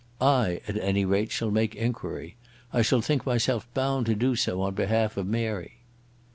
I, at any rate, shall make enquiry. I shall think myself bound to do so on behalf of Mary."